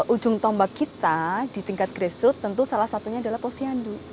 ujung tombak kita di tingkat grassroot tentu salah satunya adalah posyandu